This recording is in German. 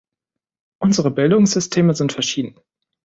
Unsere Bildungssysteme sind verschieden.